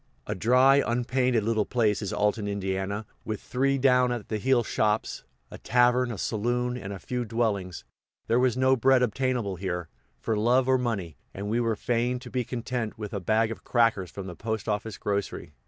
A dry, unpainted little place is Alton, Ind., with three down at the heel shops, a tavern, a saloon, and a few dwellings; there was no bread obtainable here, for love or money, and we were fain to be content with a bag of crackers from the postoffice grocery.